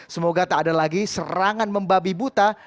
semoga tak ada lagi serangan membabi buta